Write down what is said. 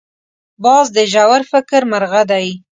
باز د ژور فکر مرغه دی